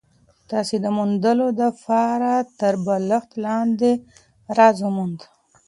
تاسي د موندلو دپاره تر بالښت لاندي راز وموند؟